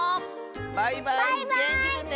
バイバイげんきでね！